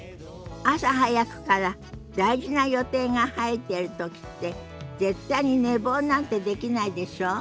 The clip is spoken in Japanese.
朝早くから大事な予定が入ってる時って絶対に寝坊なんてできないでしょ？